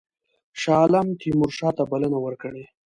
شاه عالم تیمورشاه ته بلنه ورکړې.